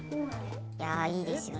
いやあいいですよね。